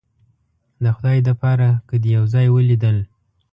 د خدای د پاره که دې یو ځای ولیدل